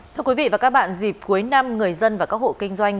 thưa quý vị và các bạn dịp cuối năm người dân và các hộ kinh doanh